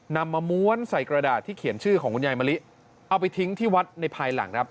นำมาม้วนใส่กระดาษที่เขียนชื่อของคุณยายมะลิเอาไปทิ้งที่วัดในภายหลังครับ